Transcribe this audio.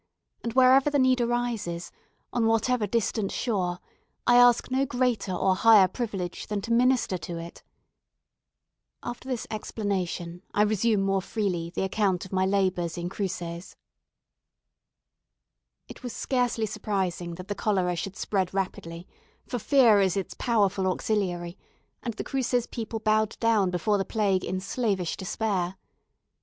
And wherever the need arises on whatever distant shore I ask no greater or higher privilege than to minister to it. After this explanation, I resume more freely the account of my labours in Cruces. It was scarcely surprising that the cholera should spread rapidly, for fear is its powerful auxiliary, and the Cruces people bowed down before the plague in slavish despair.